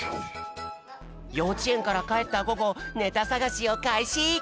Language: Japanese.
ようちえんからかえったごごネタさがしをかいし！